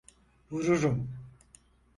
Vururum.